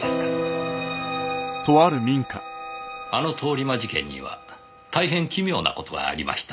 あの通り魔事件には大変奇妙な事がありました。